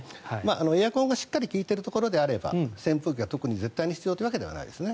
エアコンがしっかり利いているところであれば扇風機は特に絶対必要というわけではないですね。